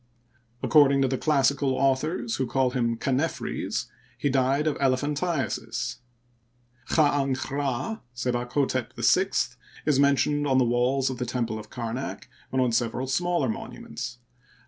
According to the classical authors, who call him Chanephres, he died of elephantiasis. Chd'dnch'Rd, SebakhStep VI, is mentioned on the walls of the temple of Kamak and on several smaller monuments.